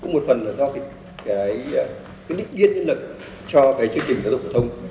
là do cái định biên nhân lực cho cái chương trình giáo dục phổ thông